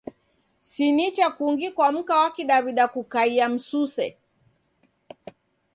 Si nicha kungi kwa mka wa Kidaw'ida kukaia msuse.